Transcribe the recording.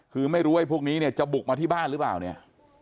คือไม่รู้ว่าไอ้พวกนี้เนี่ยจะบุกมาที่บ้านหรือเปล่าเนี่ย